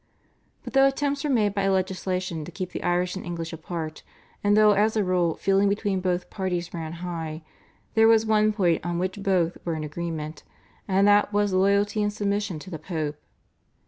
But though attempts were made by legislation to keep the Irish and English apart, and though as a rule feeling between both parties ran high, there was one point on which both were in agreement, and that was loyalty and submission to the Pope.